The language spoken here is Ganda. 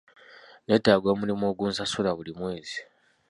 Nneetaaga omulimu ogunsasula buli mwezi.